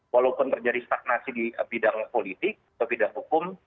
walaupun terjadi stagnasi di bidang politik atau bidang hukum